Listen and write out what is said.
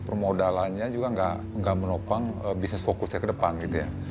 permodalannya juga nggak menopang bisnis fokusnya ke depan gitu ya